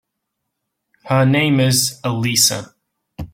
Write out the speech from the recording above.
Her name is Elisa.